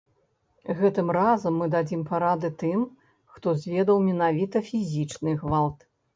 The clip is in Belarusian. Гэтым разам мы дадзім парады тым, хто зведаў менавіта фізічны гвалт.